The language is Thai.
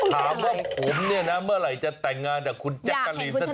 ถามว่าผมเนี่ยนะเมื่อไหร่จะแต่งงานกับคุณแจ๊กกะลีนสักที